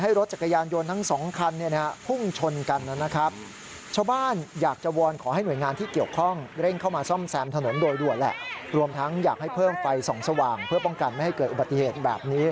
ให้รถจักรยานยนต์ทั้ง๒คันพุ่งชนกันนั่นนะครับ